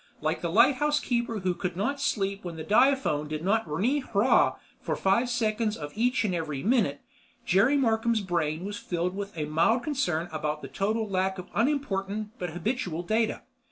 Like the lighthouse keeper who could not sleep when the diaphone did not wrneeee hrnawwww for five seconds of each and every minute, Jerry Markham's brain was filled with a mild concern about the total lack of unimportant but habitual data.